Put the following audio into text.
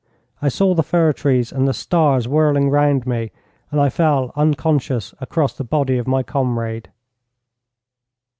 I saw the fir trees and the stars whirling round me, and I fell unconscious across the body of my comrade.